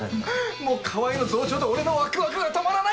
もう川合の増長と俺のワクワクが止まらない！